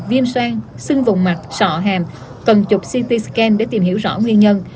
viêm xoang xương vùng mặt sọ hàm cần chụp ct scan để tìm hiểu rõ nguyên nhân